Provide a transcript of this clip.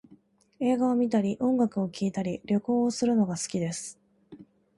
映画を観たり音楽を聴いたり、旅行をするのが好きです